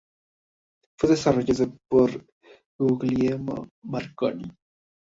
Fue desarrollado por Guglielmo Marconi.